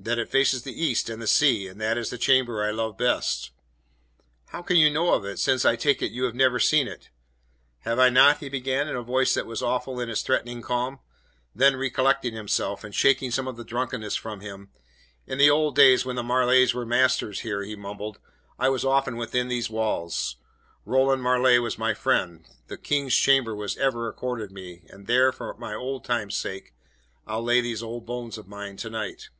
"That it faces the east and the sea, and that it is the chamber I love best." "What can you know of it since, I take it, you have never seen it!" "Have I not?" he began, in a voice that was awful in its threatening calm. Then, recollecting himself, and shaking some of the drunkenness from him: "In the old days, when the Marleighs were masters here," he mumbled, "I was often within these walls. Roland Marleigh was my friend. The King's chamber was ever accorded me, and there, for old time's sake, I'll lay these old bones of mine to night."